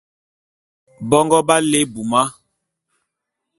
Bongo b'á lé ebuma.